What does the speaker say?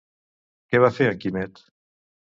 Què va fer en Quimet?